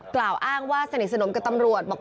กล่าวอ้างว่าสนิทสนมกับตำรวจบอก